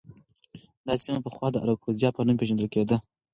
دا سیمه پخوا د اراکوزیا په نوم پېژندل کېده.